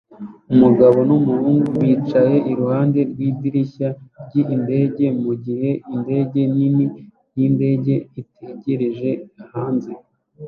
Umugabo n'umuhungu bicaye iruhande rw'idirishya ry'indege mu gihe indege nini y'indege itegereje hanze